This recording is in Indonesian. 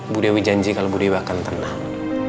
budewi menjanjikkan budewi akan tenang